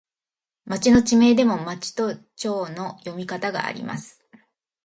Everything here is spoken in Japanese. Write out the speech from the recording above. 町の地名でも、まちとちょうの読み方があります。